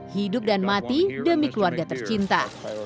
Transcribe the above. hidup dan mati demi keluarga tercinta